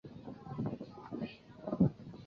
西沙折额蟹为蜘蛛蟹总科折额蟹属的动物。